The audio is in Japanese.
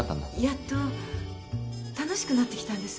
やっと楽しくなってきたんです。